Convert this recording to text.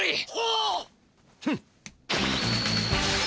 フッ。